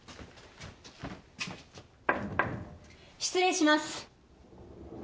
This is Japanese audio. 失礼します。